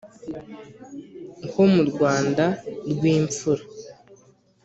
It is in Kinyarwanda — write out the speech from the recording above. ho mu rwanda rw'imfura